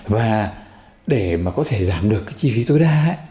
và để mà có thể giảm được cái chi phí tối đa